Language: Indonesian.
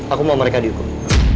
aku mau mereka dihukum